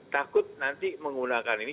takut nanti menggunakan ini